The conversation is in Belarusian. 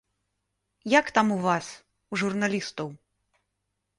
Як там у вас, у журналістаў?